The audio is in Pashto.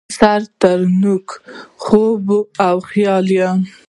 سر ترنوکه خوب او خیال وم